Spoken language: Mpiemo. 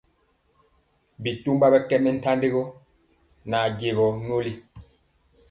Bitomba ɓɛ kɛ mɛntanjigɔ nɛ ajegɔ nyoli.